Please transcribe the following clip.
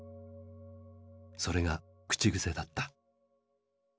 それが口癖だった。